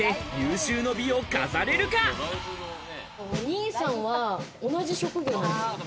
最後にお兄さんは同じ職業なんですか？